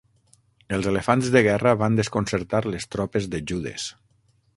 Els elefants de guerra van desconcertar les tropes de Judes.